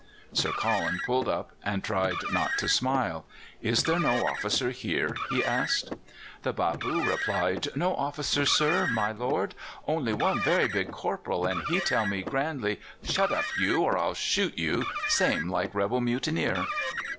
"Sir Colin pulled up, and tried not to smile. 'Is there no officer here?' he asked. "The bâboo replied: 'No officer, sir my lord only one very big corporal, and he tell me grandly "Shut up, you! or I'll shoot you, same like rebel mutineer."